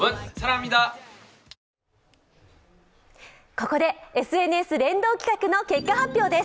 ここでＳＮＳ連動企画の結果発表です。